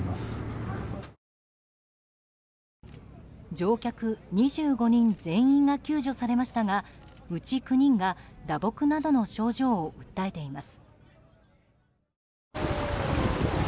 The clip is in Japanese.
乗客２５人全員が救助されましたがうち９人が打撲などの症状を訴えています。